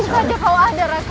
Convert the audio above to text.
mungkin saja kau ada raka